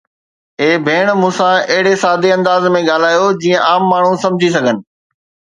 اي ڀيڻ، مون سان اهڙي سادي انداز ۾ ڳالهايو، جيئن عام ماڻهو سمجهي سگهن